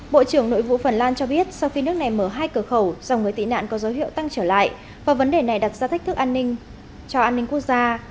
bộ trưởng nội vụ phần lan cho biết sau khi nước này mở hai cửa khẩu dòng người tị nạn có dấu hiệu tăng trở lại và vấn đề này đặt ra thách thức an ninh cho an ninh quốc gia